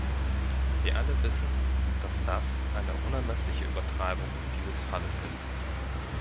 Wir alle wissen, dass das eine unermessliche Übertreibung dieses Falles ist.